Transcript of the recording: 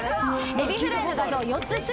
エビフライの画像です。